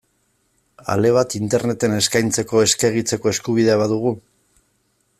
Ale bat Interneten eskaintzeko, eskegitzeko, eskubidea badugu?